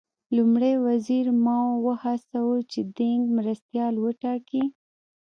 لومړي وزیر ماوو وهڅاوه چې دینګ مرستیال وټاکي.